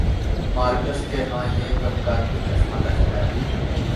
Marks کے ہاں یہ طبقاتی کشمکش ہے۔